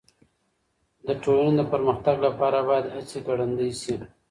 د ټولني د پرمختګ لپاره بايد هڅې ګړندۍ سي.